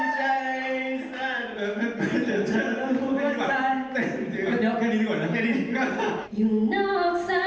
เดี๋ยวค่ะดีกว่านั้นค่ะ